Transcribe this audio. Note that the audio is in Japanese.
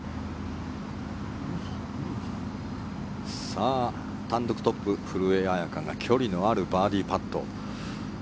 花王単独トップ、古江彩佳が距離のあるバーディーパット。